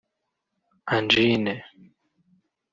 anjine